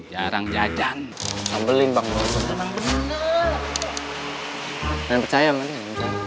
jarang jajan ambilin banget bener bener